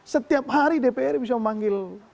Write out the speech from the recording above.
setiap hari dpr bisa memanggil